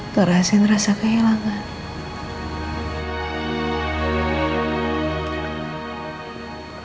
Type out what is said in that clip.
ngerasain rasa kehilangan